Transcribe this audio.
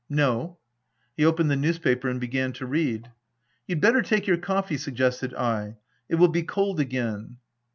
"No." He opened the newspaper and began to read. " You'd better take your coffee," suggested I ; "it will be cold again."